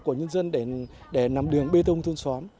của nhân dân để nằm đường bê tông thôn xóm